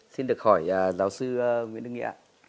xin được hỏi giáo sư nguyễn đức nghĩa ạ